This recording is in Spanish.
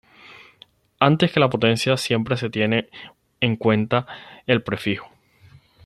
Antes que la potencia siempre se tiene en cuenta el prefijo.